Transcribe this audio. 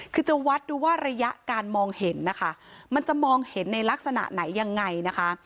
คือจะวัดดูว่าระยะการมองเห็นนะคะมันจะมองเห็นในลักษณะไหนยังไงนะคะ